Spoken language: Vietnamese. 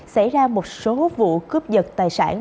xảy ra một số vụ cướp dật tài sản